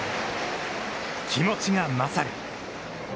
気持ちがまさる。